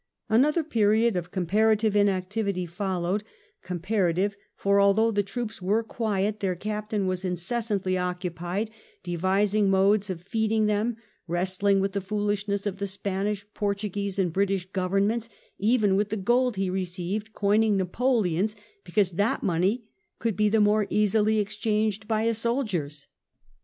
Another period of comparative inactivity followed — comparative, for although the troops were quiet, their captain was incessantly occupied, devising modes of feeding them, wrestling with the foolishness of the Spanish, Portuguese, and British Grovemments, even with the gold he received coining Napoleons, because that money could be the more easily exchanged by his soldiers.